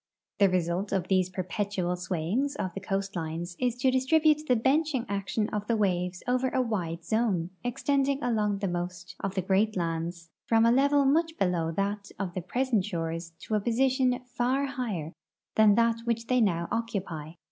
The result of these perpetual swayings of the coastlines is to distribute the benching action of the waves over a wide zone, extending along the most of the great lands from a level much below that of the present shores to a position far higher than that which they now occupy.